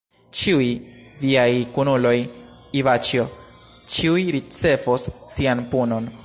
Ĉiuj viaj kunuloj, Ivaĉjo, ĉiuj ricevos sian punon.